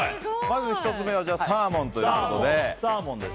まず１つ目はサーモンということで。